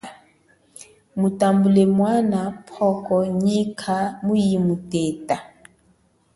Mutambule mwana pwoko, nyikha muyimuteta.